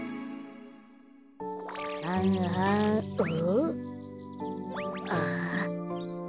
はんはんうん？ああ。